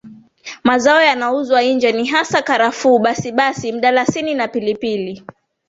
Mazao yanayouzwa nje ni hasa karafuu basibasi mdalasini na pilipili